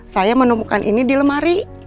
saya menemukan ini di lemari